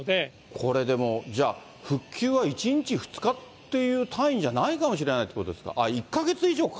これでも、じゃあ、復旧は１日、２日っていう単位じゃないかもしれないということですか。